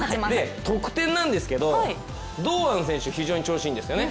得点なんですけど、堂安選手非常に調子いいんですよね。